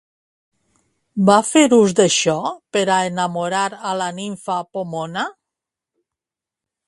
Va fer ús d'això per a enamorar a la nimfa Pomona?